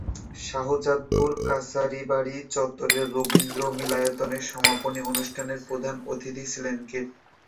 শাহজাদপুর কাছারিবাড়ি চত্বরের রবীন্দ্র মিলনায়তনে সমাপনী অনুষ্ঠানে প্রধান অতিথি ছিলেন কে?